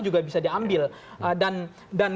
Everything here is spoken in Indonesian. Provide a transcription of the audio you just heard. juga bisa diambil dan